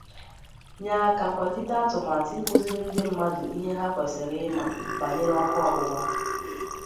nye aka kwàlite atụmatụ ịkụziri ndị mmadụ ihe ha kwesiri ịma banyere ọkụ ọgbụgba